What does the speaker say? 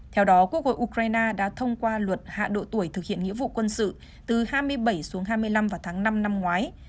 theo đó quốc hội ukraine đã thông qua luật hạ độ tuổi thực hiện nghĩa vụ quân sự từ hai mươi bảy xuống hai mươi năm vào tháng năm năm ngoái